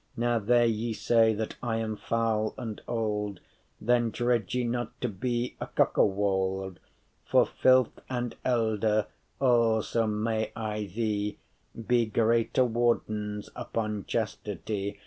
Now there ye say that I am foul and old, Then dread ye not to be a cokewold.* *cuckold For filth, and elde, all so may I the,* *thrive Be greate wardens upon chastity.